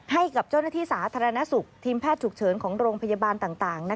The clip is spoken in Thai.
ให้กับเจ้าหน้าที่สาธารณสุขทีมแพทย์ฉุกเฉินของโรงพยาบาลต่าง